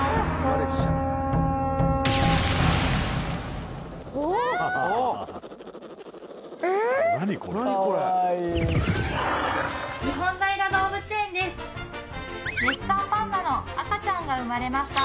レッサーパンダの赤ちゃんが生まれました